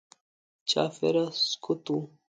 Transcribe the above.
چاپېره سکوت و.